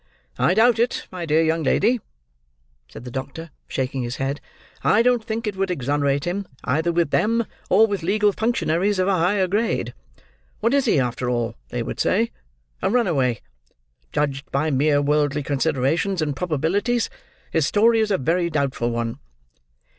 "I doubt it, my dear young lady," said the doctor, shaking his head. "I don't think it would exonerate him, either with them, or with legal functionaries of a higher grade. What is he, after all, they would say? A runaway. Judged by mere worldly considerations and probabilities, his story is a very doubtful one."